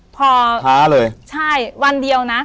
พ้าเลย